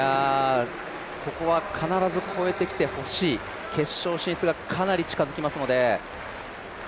ここは必ず越えてきてほしい決勝進出がかなり近づいてきますので。